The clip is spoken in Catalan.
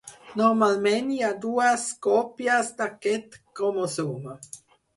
Normalment hi ha dues còpies d'aquest cromosoma.